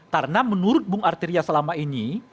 karena menurut bung artirya selama ini